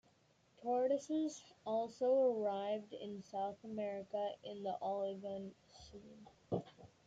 Tortoises also arrived in South America in the Oligocene.